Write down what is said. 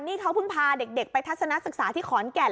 นี่เขาเพิ่งพาเด็กไปทัศนศึกษาที่ขอนแก่น